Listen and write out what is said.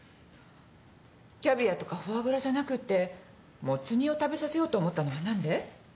キャビアとかフォアグラじゃなくてもつ煮を食べさせようと思ったのは何で？